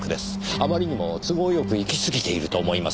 あまりにも都合よくいきすぎていると思いませんか？